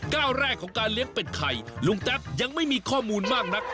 ก้าวแรกของการเลี้ยงเป็ดไข่ลุงแต๊บยังไม่มีข้อมูลมากนัก